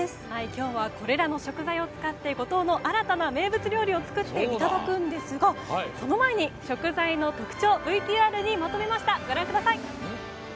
今日はこれらの食材を使って五島の新たな名物料理を作っていただくんですがその前に食材の特徴をまとめました。